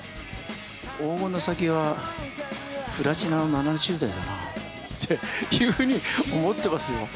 黄金の先は、プラチナの７０代だなって、急に思ってますよ。